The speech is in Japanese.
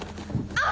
あっ！